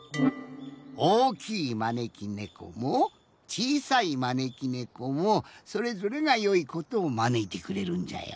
おおきいまねきねこもちいさいまねきねこもそれぞれがよいことをまねいてくれるんじゃよ。